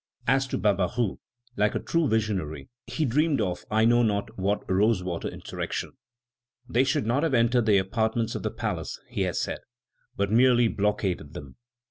As to Barbaroux, like a true visionary, he dreamed of I know not what rose water insurrection. "They should not have entered the apartments of the palace," he has said, "but merely blockaded them.